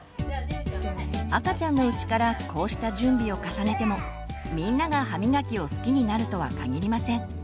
赤ちゃんのうちからこうした準備を重ねてもみんなが歯みがきを好きになるとは限りません。